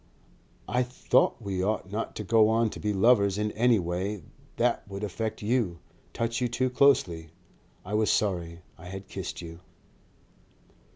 "I thought we ought not to go on to be lovers in any way that Would affect you, touch you too closely.... I was sorry I had kissed you."